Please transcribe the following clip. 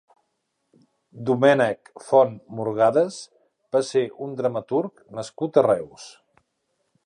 Domènec Font Morgades va ser un dramaturg nascut a Reus.